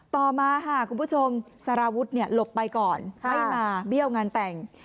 ต่อมาค่ะคุณผู้ชมสารวุฒิหลบไปก่อนไม่มาเบี้ยวงานแต่ง